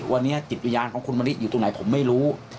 วันนี้จิตวิญญาณของคุณมะลิอยู่ตรงไหนผมไม่รู้